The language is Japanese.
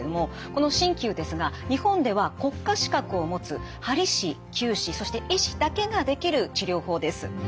この鍼灸ですが日本では国家資格を持つはり師きゅう師そして医師だけができる治療法です。